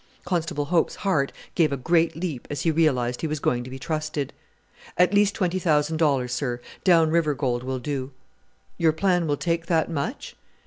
Constable Hope's heart gave a great leap as he realized he was going to be trusted. "At least twenty thousand dollars, sir. Down River gold will do." "Your plan will take that much?"